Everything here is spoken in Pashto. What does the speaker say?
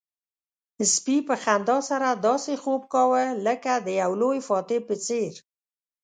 سپي په خندا سره داسې خوب کاوه لکه د یو لوی فاتح په څېر.